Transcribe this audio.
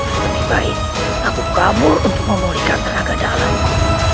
lebih baik aku kabur untuk memulihkan tenaga dalemku